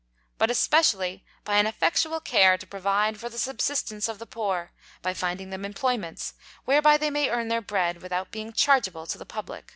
But especially, by an effectual Care to provide for the Subsistence of the Poor, by finding them Employments, whereby they may earn their Bread, without being chargeable to the Publick.